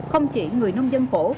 không chỉ người nông dân phổ